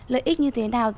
lợi ích như thế nào